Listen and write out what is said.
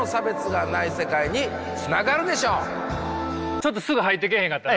ちょっとすぐ入ってけえへんかったな。